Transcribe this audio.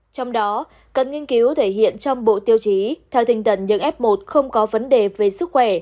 trong đó cần nghiên cứu thể hiện trong bộ tiêu chí theo tinh thần những f một không có vấn đề về sức khỏe